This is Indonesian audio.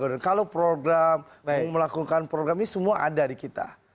dan mereka akan melakukan program melakukan program ini semua ada di kita